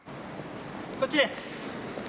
こっちです。